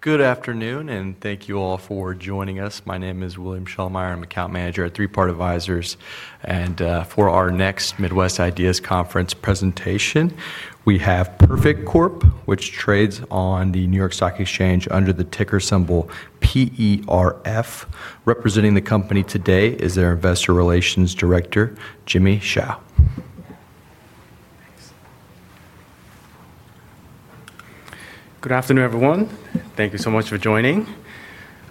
Good afternoon, and thank you all for joining us. My name is William Shelmire. I'm an Account Manager at Three Part Advisors. For our next Midwest Ideas Conference presentation, we have Perfect Corp., which trades on the New York Stock Exchange under the ticker symbol PERF. Representing the company today is their Investor Relations Director, Jimmy Xia. Good afternoon, everyone. Thank you so much for joining.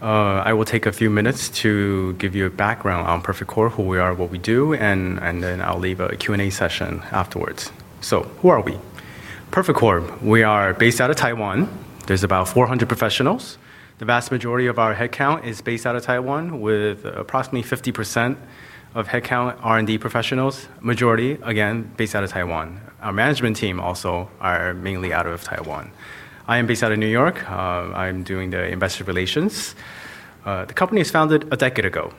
I will take a few minutes to give you a background on Perfect Corp., who we are, what we do, and then I'll leave a Q&A session afterwards. Who are we? Perfect Corp. We are based out of Taiwan. There's about 400 professionals. The vast majority of our headcount is based out of Taiwan, with approximately 50% of headcount R&D professionals, majority, again, based out of Taiwan. Our management team also is mainly out of Taiwan. I am based out of New York. I'm doing the investor relations. The company was founded a decade ago.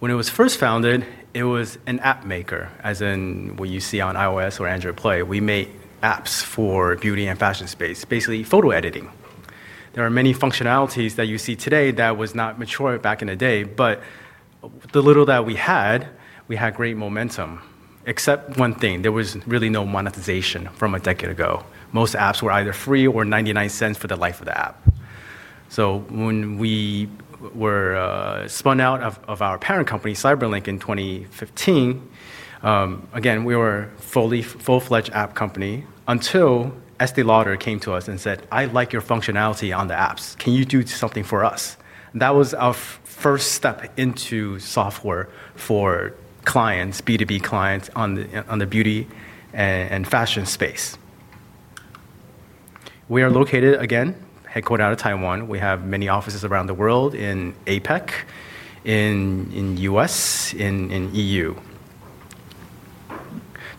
When it was first founded, it was an app maker, as in what you see on iOS or Android Play. We made apps for the beauty and fashion space, basically photo editing. There are many functionalities that you see today that were not mature back in the day. With the little that we had, we had great momentum. Except one thing: there was really no monetization from a decade ago. Most apps were either free or $0.99 for the life of the app. When we were spun out of our parent company, Cyberlink, in 2015, we were a full-fledged app company until Estee Lauder came to us and said, "I like your functionality on the apps. Can you do something for us?" That was our first step into software for clients, B2B clients, on the beauty and fashion space. We are located, again, headquartered out of Taiwan. We have many offices around the world, in APEC, in the U.S., and in the EU.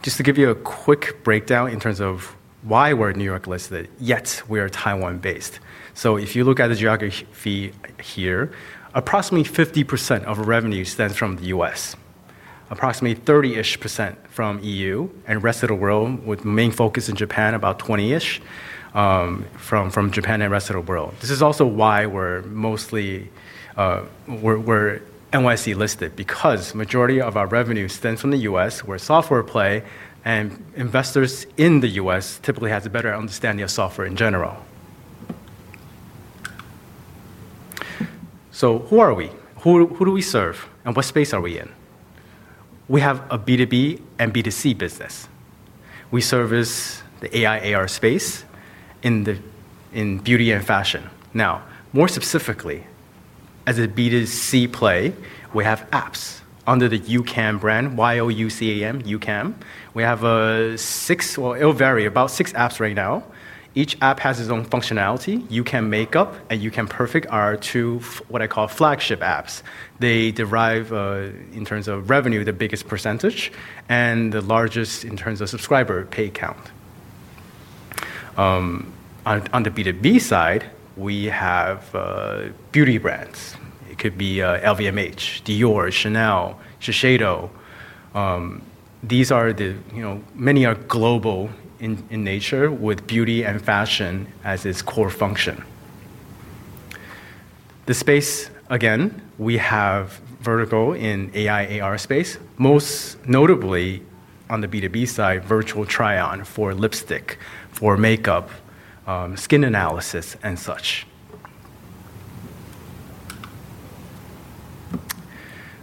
Just to give you a quick breakdown in terms of why we're New York listed, yet we are Taiwan-based. If you look at the geography here, approximately 50% of revenue stems from the U.S., approximately 30% from the EU, and the rest of the world, with the main focus in Japan, about 20% from Japan and the rest of the world. This is also why we're mostly NYC listed, because the majority of our revenue stems from the U.S., where software plays and investors in the U.S. typically have a better understanding of software in general. Who are we? Who do we serve? And what space are we in? We have a B2B and B2C business. We service the AI/AR space in beauty and fashion. More specifically, as a B2C play, we have apps under the YouCam brand, Y-O-U-C-A-M, YouCam. We have six, it'll vary, about six apps right now. Each app has its own functionality. YouCam Makeup and YouCam Perfect are two, what I call flagship apps. They derive, in terms of revenue, the biggest percentage and the largest in terms of subscriber pay count. On the B2B side, we have beauty brands. It could be LVMH, Dior, Chanel, Shiseido. These are the, you know, many are global in nature, with beauty and fashion as its core function. The space, again, we have Vertigo in the AI/AR space, most notably on the B2B side, Virtual Try-On for lipstick, for makeup, skin analysis, and such.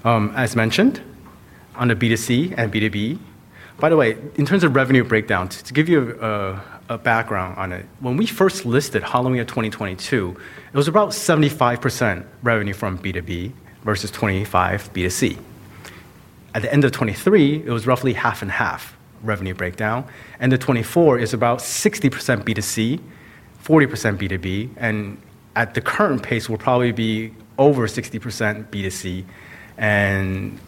As mentioned, on the B2C and B2B, by the way, in terms of revenue breakdowns, to give you a background on it, when we first listed Halloween of 2022, it was about 75% revenue from B2B versus 25% B2C. At the end of 2023, it was roughly half and half revenue breakdown. End of 2024, it's about 60% B2C, 40% B2B, and at the current pace, we'll probably be over 60% B2C and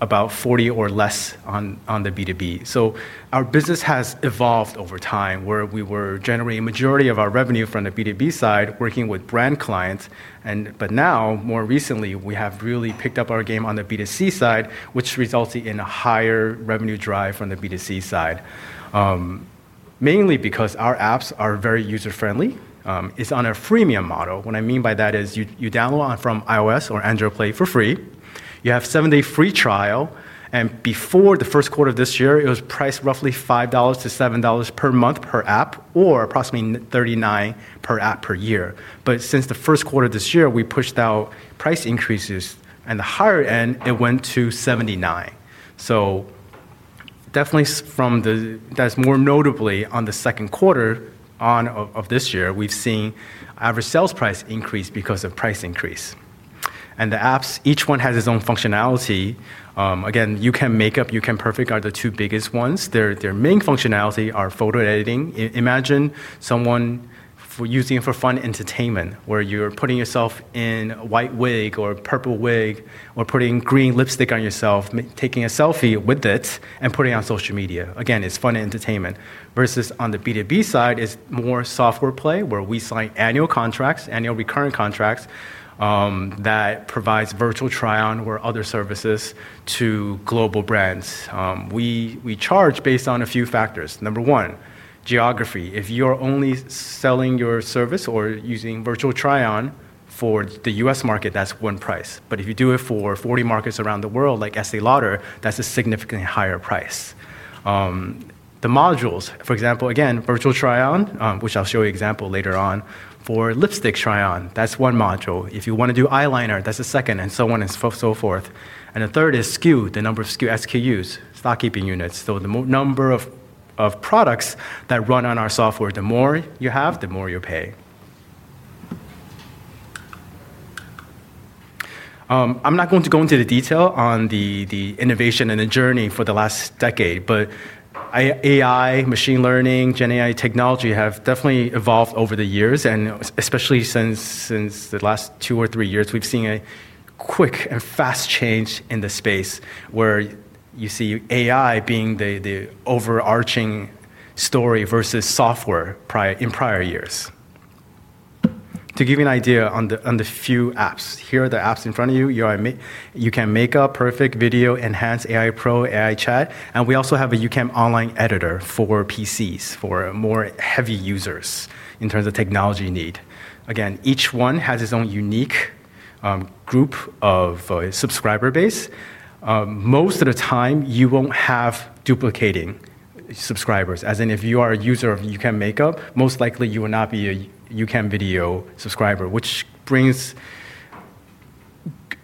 about 40% or less on the B2B. Our business has evolved over time, where we were generating the majority of our revenue from the B2B side, working with brand clients. More recently, we have really picked up our game on the B2C side, which resulted in a higher revenue drive from the B2C side, mainly because our apps are very user-friendly. It's on a freemium model. What I mean by that is you download from iOS or Android Play for free. You have a seven-day free trial. Before the first quarter of this year, it was priced roughly $5 to $7 per month per app, or approximately $39 per app per year. Since the first quarter of this year, we pushed out price increases. At the higher end, it went to $79. Definitely from the, that's more notably on the second quarter of this year, we've seen average sales price increase because of price increase. The apps, each one has its own functionality. Again, YouCam Makeup and YouCam Perfect are the two biggest ones. Their main functionality is photo editing. Imagine someone using it for fun and entertainment, where you're putting yourself in a white wig or a purple wig or putting green lipstick on yourself, taking a selfie with it, and putting it on social media. It's fun and entertainment. Versus on the B2B side, it's more software play, where we sign annual contracts, annual recurring contracts that provide Virtual Try-On or other services to global brands. We charge based on a few factors. Number one, geography. If you are only selling your service or using Virtual Try-On for the U.S. market, that's one price. If you do it for 40 markets around the world, like Estee Lauder, that's a significantly higher price. The modules, for example, again, Virtual Try-On, which I'll show you an example later on, for lipstick Try-On, that's one module. If you want to do eyeliner, that's a second, and so on and so forth. The third is SKU, the number of SKUs, stock keeping units. The number of products that run on our software, the more you have, the more you pay. I'm not going to go into the detail on the innovation and the journey for the last decade, but AI, machine learning, generative AI technology have definitely evolved over the years. Especially since the last two or three years, we've seen a quick and fast change in the space, where you see AI being the overarching story versus software in prior years. To give you an idea on the few apps, here are the apps in front of you. YouCam Makeup, Perfect Video, Enhance, AI Pro, AI Chat. We also have a YouCam Online Editor for PCs for more heavy users in terms of technology need. Each one has its own unique group of subscriber base. Most of the time, you won't have duplicating subscribers, as in if you are a user of YouCam Makeup, most likely you will not be a YouCam Video subscriber, which brings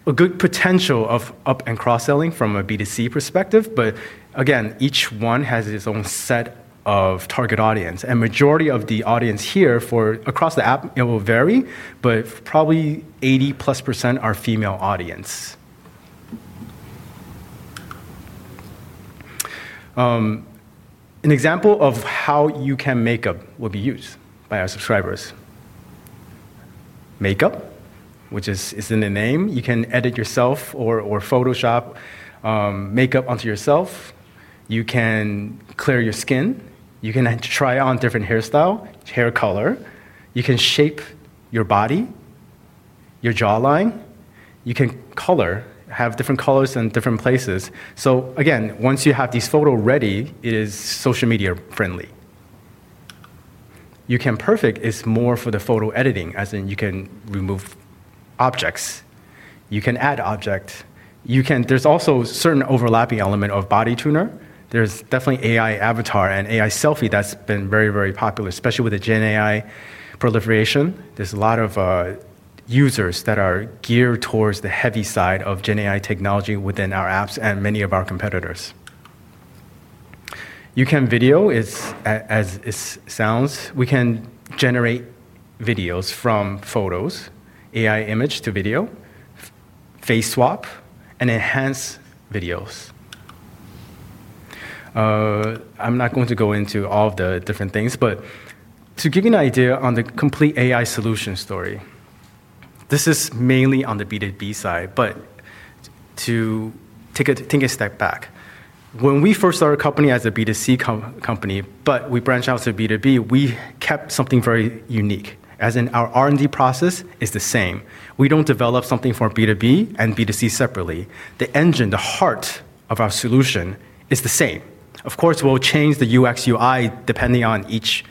a good potential of up and cross-selling from a B2C perspective. Each one has its own set of target audience. The majority of the audience here for across the app, it will vary, but probably 80%+ are female audience. An example of how YouCam Makeup will be used by our subscribers. Makeup, which is in the name, you can edit yourself or Photoshop makeup onto yourself. You can clear your skin. You can try on different hairstyle, hair color. You can shape your body, your jawline. You can have different colors in different places. Once you have these photos ready, it is social media-friendly. YouCam Perfect is more for the photo editing, as in you can remove objects. You can add objects. There's also a certain overlapping element of body tuner. There's definitely AI avatar and AI selfie that's been very, very popular, especially with the generative AI proliferation. There's a lot of users that are geared towards the heavy side of generative AI technology within our apps and many of our competitors. YouCam Video is, as it sounds, we can generate videos from photos, AI image to video, face swap, and enhance videos. I'm not going to go into all of the different things, but to give you an idea on the complete AI solution story, this is mainly on the B2B side. To take a step back, when we first started our company as a B2C company, but we branched out to B2B, we kept something very unique, as in our R&D process is the same. We don't develop something for B2B and B2C separately. The engine, the heart of our solution is the same. Of course, we'll change the UX/UI depending on each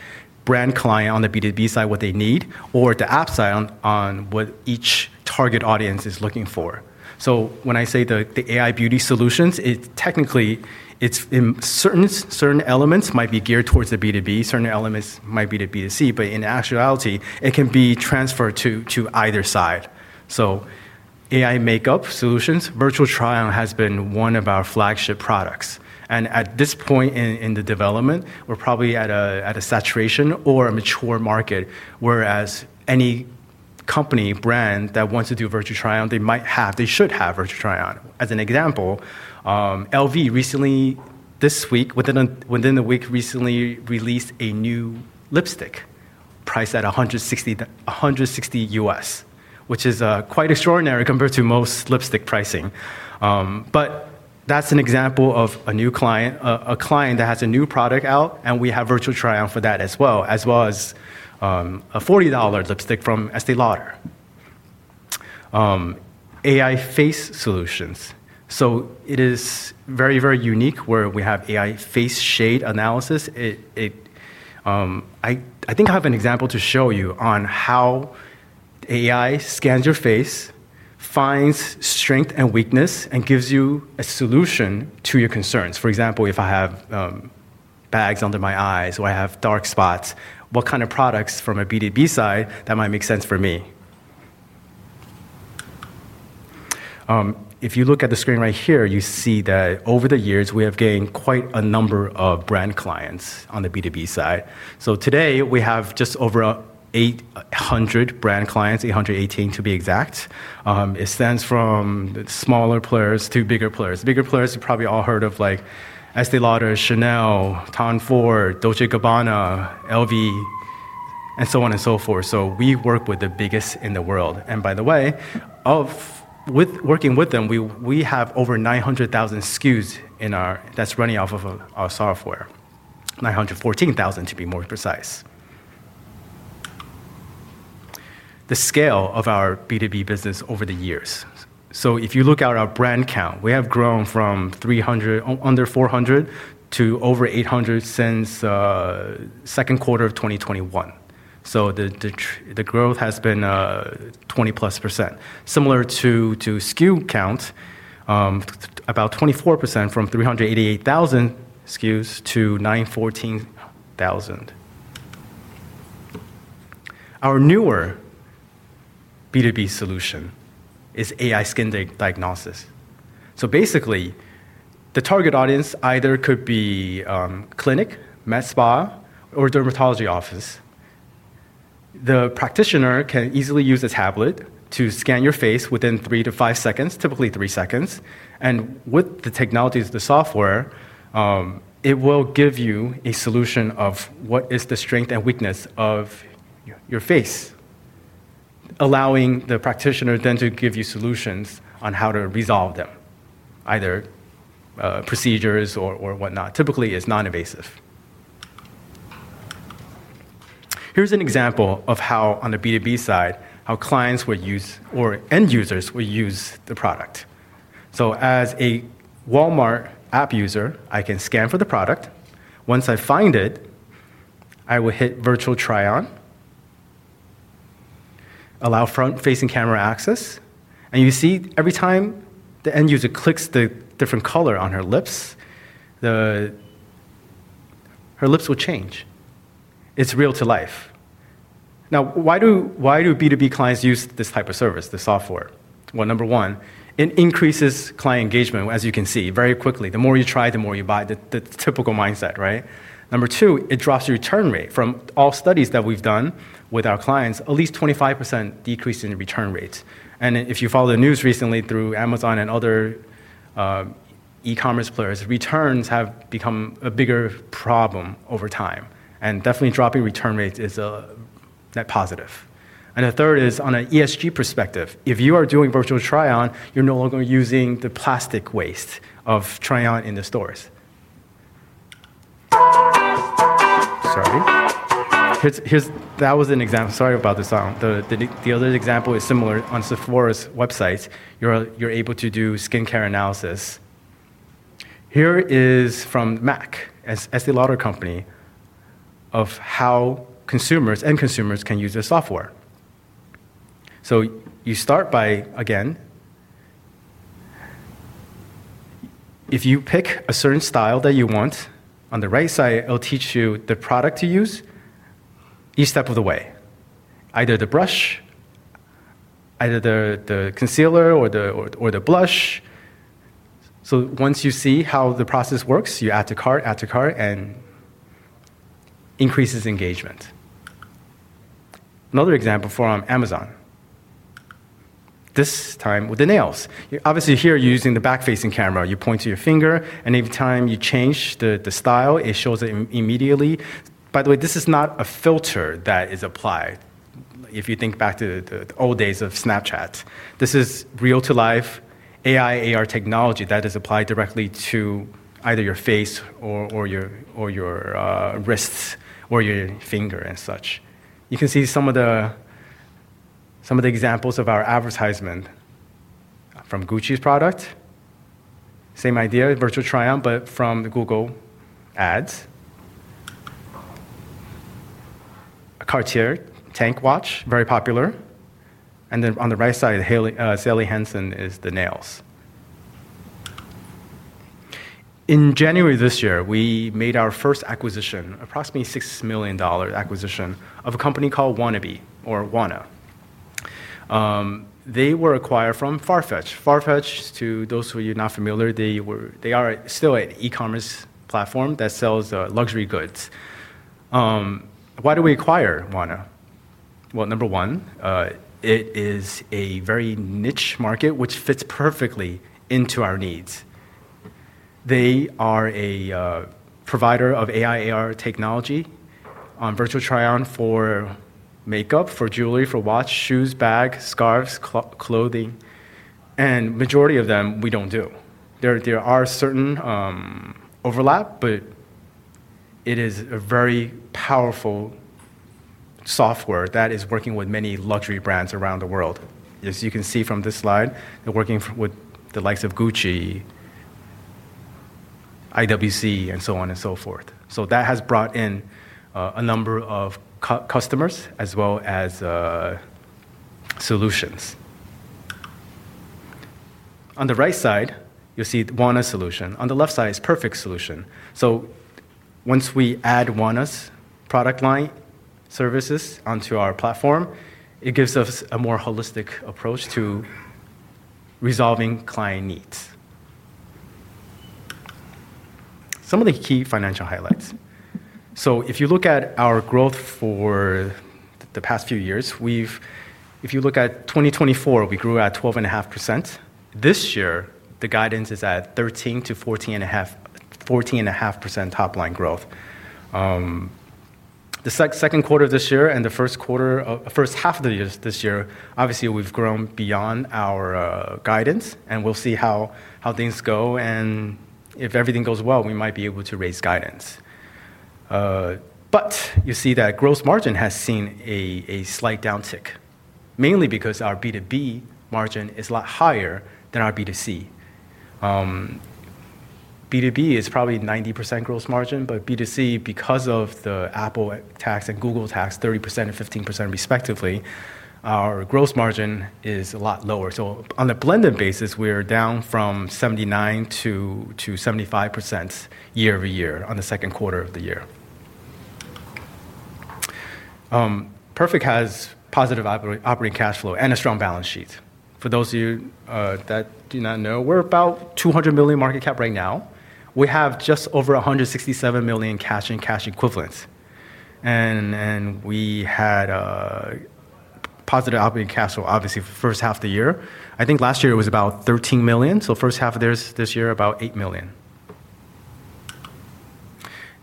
brand client on the B2B side, what they need, or the app side on what each target audience is looking for. When I say the AI beauty solutions, technically, certain elements might be geared towards the B2B, certain elements might be to B2C. In actuality, it can be transferred to either side. AI makeup solutions, Virtual Try-On has been one of our flagship products. At this point in the development, we're probably at a saturation or a mature market, whereas any company brand that wants to do Virtual Try-On, they might have, they should have Virtual Try-On. As an example, LV recently, this week, within a week, recently released a new lipstick priced at $160, which is quite extraordinary compared to most lipstick pricing. That's an example of a new client, a client that has a new product out, and we have Virtual Try-On for that as well, as well as a $40 lipstick from Estee Lauder. AI face solutions. It is very, very unique where we have AI face shade analysis. I think I have an example to show you on how AI scans your face, finds strength and weakness, and gives you a solution to your concerns. For example, if I have bags under my eyes or I have dark spots, what kind of products from a B2B side that might make sense for me? If you look at the screen right here, you see that over the years, we have gained quite a number of brand clients on the B2B side. Today, we have just over 800 brand clients, 818 to be exact. It stands from smaller players to bigger players. Bigger players, you've probably all heard of like Estee Lauder, Chanel, Tom Ford, Dolce & Gabbana, LV, and so on and so forth. We work with the biggest in the world. By the way, with working with them, we have over 900,000 SKUs that are running off of our software, 914,000 to be more precise. The scale of our B2B business over the years. If you look at our brand count, we have grown from 300, under 400, to over 800 since the second quarter of 2021. The growth has been 20%+. Similar to SKU count, about 24% from 388,000 SKUs to 914,000. Our newer B2B solution is AI skin diagnosis. Basically, the target audience either could be clinic, med spa, or dermatology office. The practitioner can easily use a tablet to scan your face within three to five seconds, typically three seconds. With the technology, the software will give you a solution of what is the strength and weakness of your face, allowing the practitioner then to give you solutions on how to resolve them, either procedures or whatnot. Typically, it's non-invasive. Here's an example of how, on the B2B side, how clients would use or end users would use the product. As a Walmart app user, I can scan for the product. Once I find it, I will hit Virtual Try-On, allow front-facing camera access. You see, every time the end user clicks the different color on her lips, her lips will change. It's real-to-life. Now, why do B2B clients use this type of service, the software? Number one, it increases client engagement, as you can see, very quickly. The more you try, the more you buy. The typical mindset, right? Number two, it drops your return rate. From all studies that we've done with our clients, at least 25% decrease in return rates. If you follow the news recently through Amazon and other e-commerce players, returns have become a bigger problem over time. Definitely dropping return rates is a net positive. The third is, on an ESG perspective, if you are doing Virtual Try-On, you're no longer using the plastic waste of Try-On in the stores. Here's, that was an example. Sorry about the sound. The other example is similar on Sephora's websites. You're able to do skincare analysis. Here is from MAC, Estee Lauder company, of how consumers and consumers can use their software. You start by, again, if you pick a certain style that you want, on the right side, it'll teach you the product to use each step of the way, either the brush, either the concealer, or the blush. Once you see how the process works, you add to cart, add to cart, and increases engagement. Another example from Amazon. This time with the nails. Obviously, here, you're using the back-facing camera. You point to your finger, and every time you change the style, it shows it immediately. By the way, this is not a filter that is applied. If you think back to the old days of Snapchat, this is real-to-life AI/AR technology that is applied directly to either your face or your wrists or your finger and such. You can see some of the examples of our advertisement from Gucci's product. Same idea, Virtual Try-On, but from the Google Ads. A Cartier Tank Watch, very popular. On the right side, Sally Hansen is the nails. In January of this year, we made our first acquisition, approximately $6 million acquisition of a company called Wannaby or WANNA. They were acquired from Farfetch. Farfetch, to those of you not familiar, is still an e-commerce platform that sells luxury goods. Why do we acquire WANNA? Number one, it is a very niche market, which fits perfectly into our needs. They are a provider of AI/AR technology on Virtual Try-On for makeup, for jewelry, for watch, shoes, bags, scarves, clothing. The majority of them, we don't do. There are certain overlaps, but it is a very powerful software that is working with many luxury brands around the world. As you can see from this slide, they're working with the likes of Gucci, IWC, and so on and so forth. That has brought in a number of customers as well as solutions. On the right side, you'll see WANNA Solution. On the left side is Perfect Solution. Once we add WANNA's product line services onto our platform, it gives us a more holistic approach to resolving client needs. Some of the key financial highlights. If you look at our growth for the past few years, if you look at 2024, we grew at 12.5%. This year, the guidance is at 13% to 14.5% top-line growth. The second quarter of this year and the first quarter, first half of the year this year, obviously, we've grown beyond our guidance, and we'll see how things go. If everything goes well, we might be able to raise guidance. You see that gross margin has seen a slight downtick, mainly because our B2B margin is a lot higher than our B2C. B2B is probably 90% gross margin, but B2C, because of the Apple tax and Google tax, 30% and 15% respectively, our gross margin is a lot lower. On a blended basis, we're down from 79% to 75% year-over-year on the second quarter of the year. Perfect has positive operating cash flow and a strong balance sheet. For those of you that do not know, we're about $200 million market cap right now. We have just over $167 million cash and cash equivalents. We had a positive operating cash flow, obviously, first half of the year. I think last year it was about $13 million. First half of this year, about $8 million.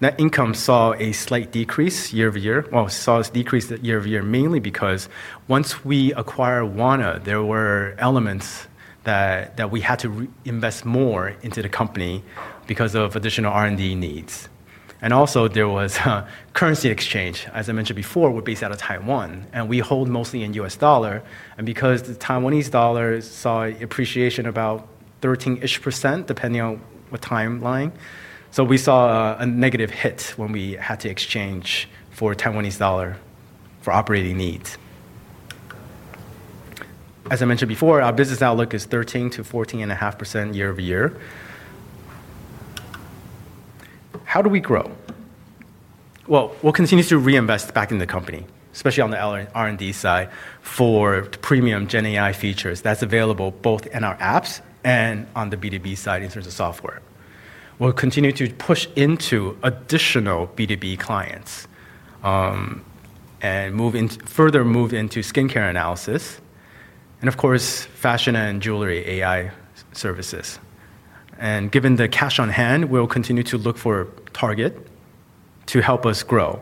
Net income saw a slight decrease year-over-year. It saw a decrease year-over-year mainly because once we acquired WANNA, there were elements that we had to invest more into the company because of additional R&D needs. There was a currency exchange. As I mentioned before, we're based out of Taiwan, and we hold mostly in U.S. dollar. Because the Taiwanese dollar saw an appreciation of about 13% depending on what timeline, we saw a negative hit when we had to exchange for Taiwanese dollar for operating needs. As I mentioned before, our business outlook is 13% to 14.5% year-over-year. How do we grow? We'll continue to reinvest back in the company, especially on the R&D side for the premium GenAI features that's available both in our apps and on the B2B side in terms of software. We'll continue to push into additional B2B clients and further move into skincare analysis. Of course, fashion and jewelry AI services. Given the cash on hand, we'll continue to look for a target to help us grow.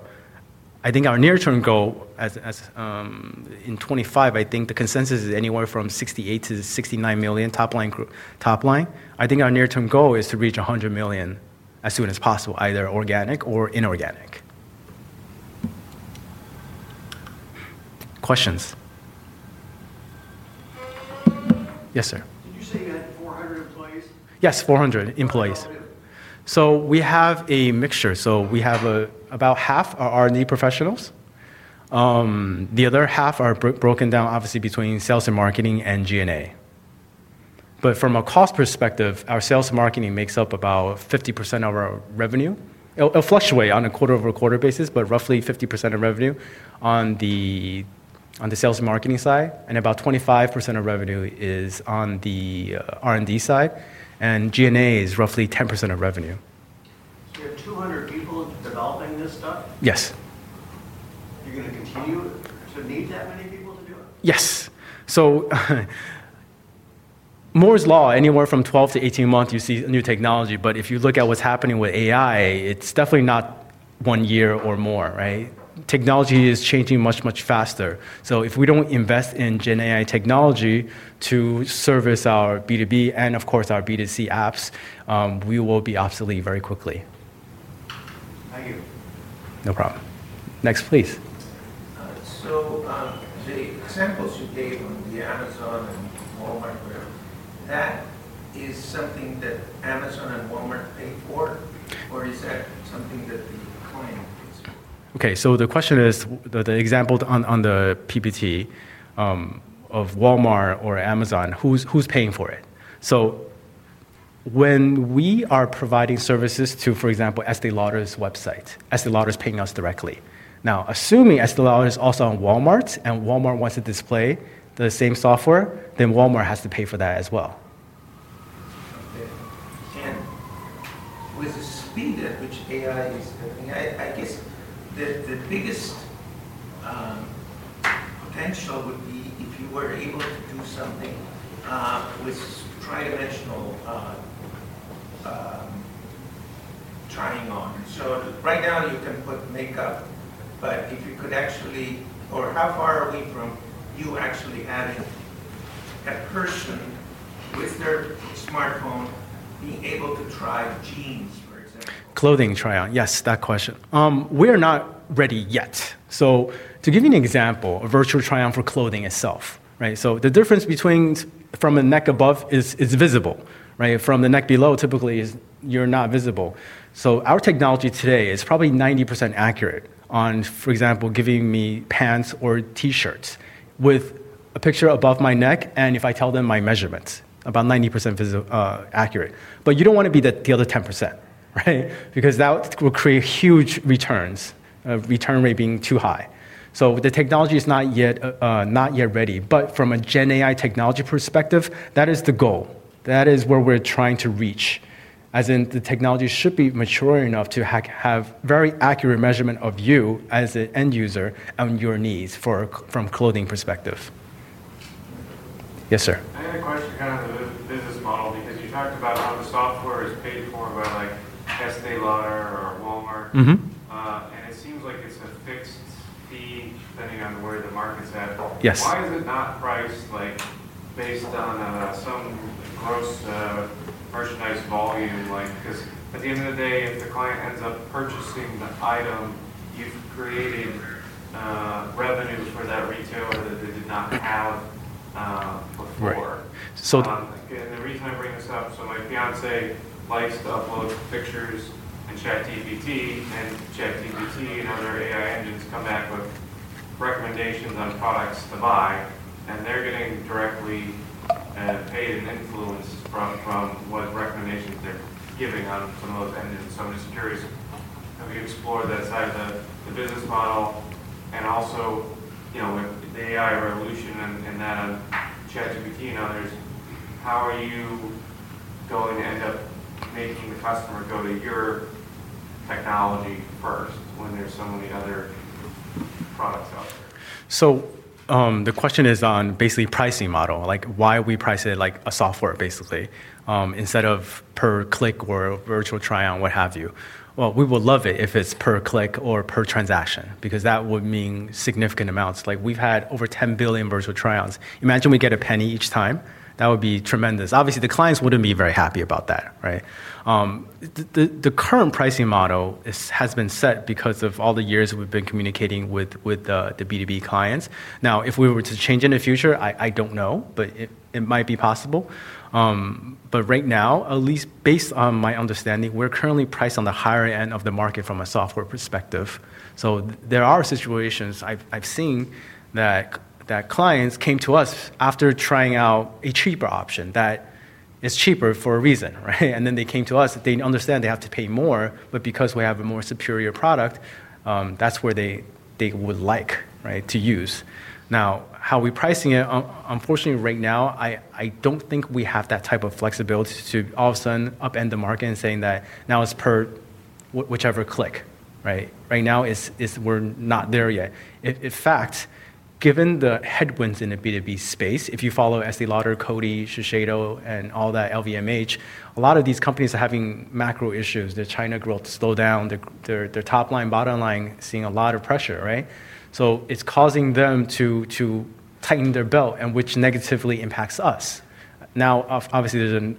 I think our near-term goal in 2025, I think the consensus is anywhere from $68 million to $69 million top line. Our near-term goal is to reach $100 million as soon as possible, either organic or inorganic. Questions. Yes, sir. Yes, 400 employees. We have a mixture. We have about half are R&D professionals. The other half are broken down, obviously, between sales and marketing and G&A. From a cost perspective, our sales and marketing makes up about 50% of our revenue. It'll fluctuate on a quarter-over-quarter basis, but roughly 50% of revenue on the sales and marketing side. About 25% of revenue is on the R&D side. G&A is roughly 10% of revenue. You have 200 people developing this stuff? Yes. You're going to continue it? Yes. Moore's Law, anywhere from 12 to 18 months, you see new technology. If you look at what's happening with AI, it's definitely not one year or more, right? Technology is changing much, much faster. If we don't invest in GenAI technology to service our B2B and, of course, our B2C apps, we will be obsolete very quickly. No problem. Next, please. The samples you gave on the Amazon and Walmart, is that something that Amazon and Walmart pay for, or is that something that the client? Okay, so the question is the example on the PPT of Walmart or Amazon, who's paying for it? When we are providing services to, for example, Estee Lauder's website, Estee Lauder is paying us directly. Now, assuming Estee Lauder is also on Walmart and Walmart wants to display the same software, Walmart has to pay for that as well. With the speed at which AI is, I guess the biggest potential would be if you were able to do something with some tridimensional timing on it. Right now, you can put makeup, but if you could actually, or how far away from you actually had a person with their smartphone being able to try the jeans. Clothing trial, yes, that question. We are not ready yet. To give you an example, a virtual trial for clothing itself, right? The difference between from a neck above is visible, right? From the neck below, typically, you're not visible. Our technology today is probably 90% accurate on, for example, giving me pants or t-shirts with a picture above my neck. If I tell them my measurements, about 90% accurate. You don't want to be the other 10%, right? That will create huge returns, return rate being too high. The technology is not yet ready. From a GenAI technology perspective, that is the goal. That is where we're trying to reach, as in the technology should be mature enough to have very accurate measurement of you as an end user on your needs from a clothing perspective. Yes, sir. I have a question on the business model, because you talked about how the software is paid for by like Estee Lauder or Walmart. It seems like it's a fixed fee that you're going to be where the market's at, why is it not priced like based on some gross merchandise volume? Because at the end of the day, if the client ends up purchasing the item, you've created revenues for that retailer that they did not have before. The reason I bring this up, my fiancée likes the uploads of pictures and ChatGPT, and ChatGPT and other AI engines come back with recommendations on products to buy. They're getting directly paid and influenced from what recommendations they're giving on some of the securities. We can explore the side of the business model. Also, you know, with the AI revolution and that ChatGPT, how are you going to make your customer feel that your technology is the first? The question is on basically pricing model, like why we price it like a software, basically, instead of per click or virtual trial, what have you. We would love it if it's per click or per transaction, because that would mean significant amounts. Like we've had over 10 billion virtual trials. Imagine we get $0.01 each time. That would be tremendous. Obviously, the clients wouldn't be very happy about that, right? The current pricing model has been set because of all the years we've been communicating with the B2B clients. If we were to change in the future, I don't know, but it might be possible. Right now, at least based on my understanding, we're currently priced on the higher end of the market from a software perspective. There are situations I've seen that clients came to us after trying out a cheaper option that is cheaper for a reason, right? Then they came to us. They understand they have to pay more, but because we have a more superior product, that's where they would like to use. How are we pricing it? Unfortunately, right now, I don't think we have that type of flexibility to all of a sudden upend the market and say that now it's per whichever click, right? Right now, we're not there yet. In fact, given the headwinds in the B2B space, if you follow Estee Lauder, Coty, Shiseido, and all that LVMH, a lot of these companies are having macro issues. Their China growth slowed down. Their top line, bottom line is seeing a lot of pressure, right? It's causing them to tighten their belt, which negatively impacts us. Obviously, there's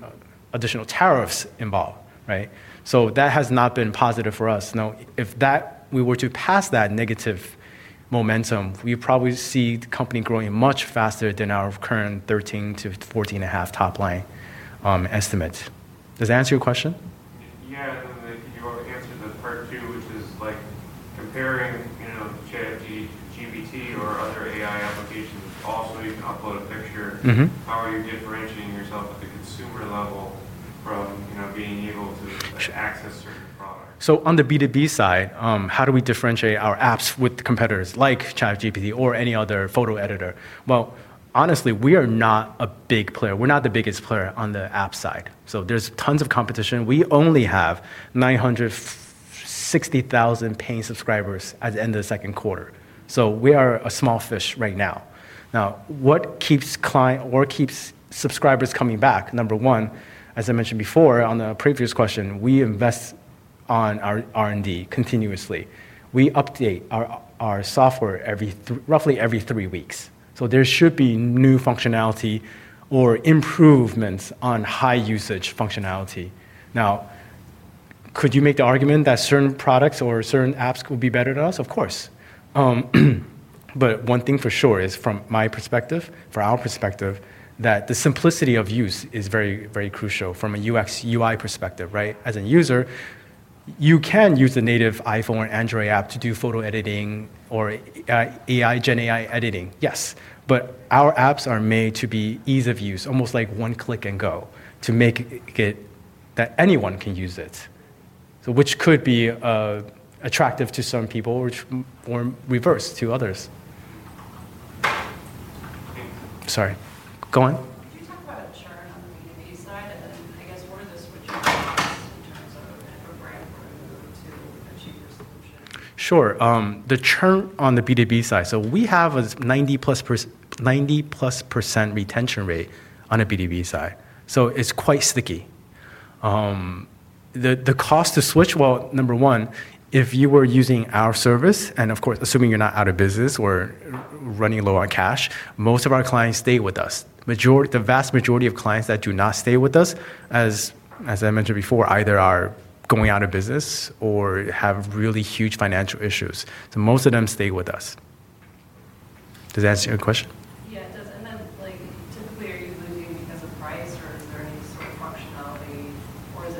additional tariffs involved, right? That has not been positive for us. If we were to pass that negative momentum, we'd probably see the company growing much faster than our current 13% to 14.5% top line estimate. Does that answer your question? Yeah, you're answering the part of you, which is like comparing ChatGPT or other AI applications all the way to upload a picture. How are you differentiating yourself at the consumer level from being able to access your? On the B2B side, how do we differentiate our apps with the competitors, like ChatGPT or any other photo editor? Honestly, we are not a big player. We're not the biggest player on the app side. There's tons of competition. We only have 960,000 paying subscribers at the end of the second quarter. We are a small fish right now. What keeps clients or keeps subscribers coming back? Number one, as I mentioned before on the previous question, we invest in our R&D continuously. We update our software roughly every three weeks. There should be new functionality or improvements on high-usage functionality. Could you make the argument that certain products or certain apps would be better than us? Of course. One thing for sure is, from my perspective, from our perspective, the simplicity of use is very, very crucial from a UX/UI perspective, right? As a user, you can use a native iPhone or Android app to do photo editing or AI, GenAI editing, yes. Our apps are made to be ease of use, almost like one click and go, to make it that anyone can use it. Which could be attractive to some people, which more reverse to others. Sorry, go on. Could you talk about the churn on the B2B side? Sure. The churn on the B2B side, we have a 90%+ retention rate on the B2B side. It's quite sticky. The cost to switch, number one, if you were using our service, and of course, assuming you're not out of business or running low on cash, most of our clients stay with us. The vast majority of clients that do not stay with us, as I mentioned before, either are going out of business or have really huge financial issues. Most of them stay with us. Does that answer your question? Typically, are you looking at a price, or is there any sort of functionality, or is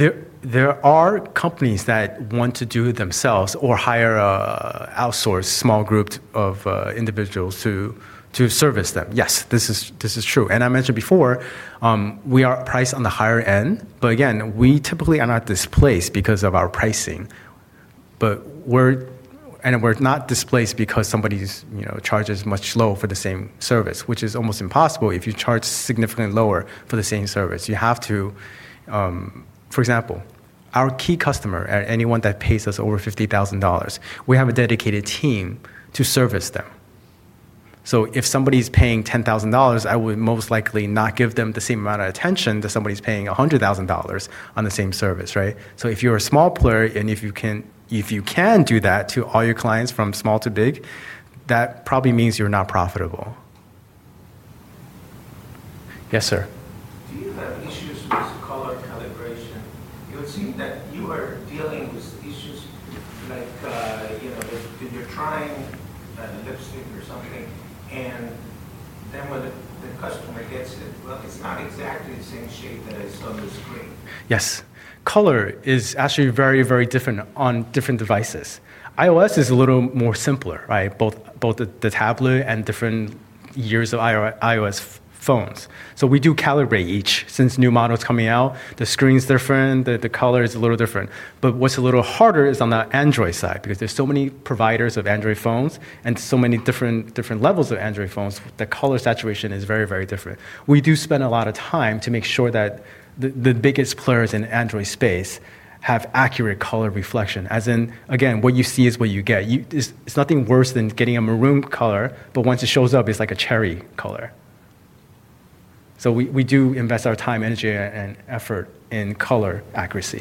it? There are companies that want to do it themselves or hire an outsourced small group of individuals to service them. Yes, this is true. I mentioned before, we are priced on the higher end. Again, we typically are not displaced because of our pricing. We're not displaced because somebody charges much lower for the same service, which is almost impossible if you charge significantly lower for the same service. For example, our key customer, anyone that pays us over $50,000, we have a dedicated team to service them. If somebody's paying $10,000, I would most likely not give them the same amount of attention that somebody's paying $100,000 on the same service, right? If you're a small player, and if you can do that to all your clients from small to big, that probably means you're not profitable. Yes, sir. Do you have issues with color calibration? You'll see that you are dealing with issues like, you know, when you're trying a lipstick or something, and then when the customer gets it, it's not exactly the same shade that it is from the screen. Yes. Color is actually very, very different on different devices. iOS is a little more simple, right? Both the tablet and different years of iOS phones. We do calibrate each. Since new models are coming out, the screen's different, the color is a little different. What's a little harder is on the Android side, because there are so many providers of Android phones and so many different levels of Android phones, the color saturation is very, very different. We do spend a lot of time to make sure that the biggest players in the Android space have accurate color reflection. As in, again, what you see is what you get. There's nothing worse than getting a maroon color, but once it shows up, it's like a cherry color. We do invest our time, energy, and effort in color accuracy.